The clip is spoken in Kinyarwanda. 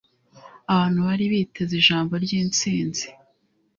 Abantu bari biteze ijambo ryintsinzi.